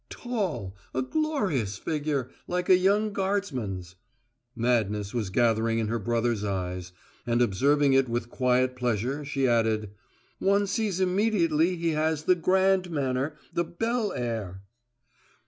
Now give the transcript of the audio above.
"Tall, a glorious figure like a young guardsman's." Madness was gathering in her brother's eyes; and observing it with quiet pleasure, she added: "One sees immediately he has the grand manner, the bel air."